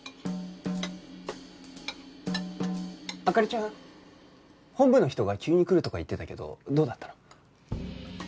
灯ちゃん本部の人が急に来るとか言ってたけどどうだったの？